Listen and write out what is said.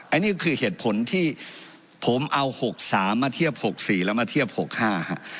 อันนี้ก็คือเหตุผลที่ผมเอา๖๓มาเทียบ๖๔แล้วมาเทียบ๖๕ฮะ